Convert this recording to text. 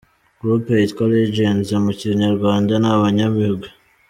Groupe yitwa Legends mu kinyarwanda ni Abanyabigwi.